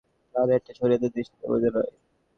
আর এটা শরীয়তের দৃষ্টিতে বৈধ নয়।